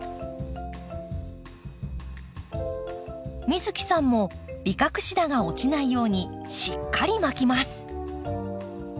美月さんもビカクシダが落ちないようにしっかり巻きます。